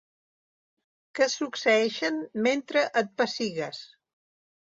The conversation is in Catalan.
Que succeeixen mentre et pessigues.